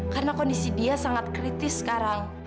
karena kondisi dia sangat kritis sekarang